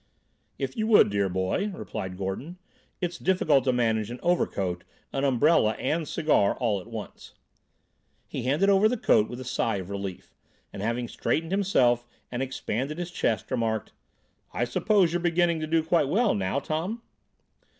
"If you would, dear boy," replied Gordon. "It's difficult to manage an overcoat, an umbrella and cigar all at once." He handed over the coat with a sigh of relief, and having straightened himself and expanded his chest, remarked: "I suppose you're beginning to do quite well now, Tom?"